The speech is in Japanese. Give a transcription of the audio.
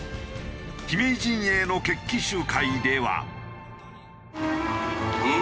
姫井陣営の決起集会では。